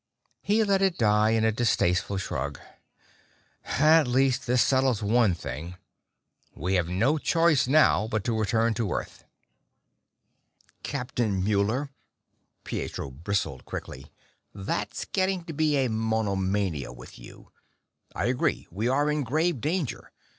He let it die in a distasteful shrug. "At least this settles one thing. We have no choice now but to return to Earth!" "Captain Muller," Pietro bristled quickly, "that's getting to be a monomania with you. I agree we are in grave danger.